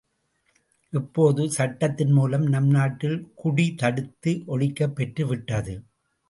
இப்போது சட்டத்தின் மூலம், நம் நாட்டில் குடி தடுத்து ஒழிக்கப் பெற்று விட்டது.